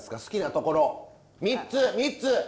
好きなところ３つ３つ！